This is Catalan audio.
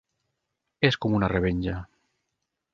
-És com una revenja…